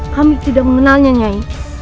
hamid udah mengenalnya nya engine